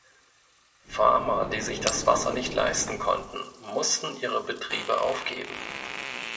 Farmer, die sich das Wasser nicht leisten konnten, mussten ihre Betriebe aufgeben.